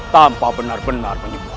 tanpa benar benar menyembuhkan